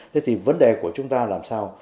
thế thì vấn đề của chúng ta là làm sao